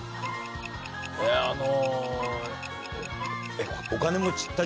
あの。